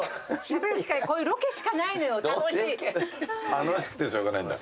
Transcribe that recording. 楽しくてしょうがないんだ。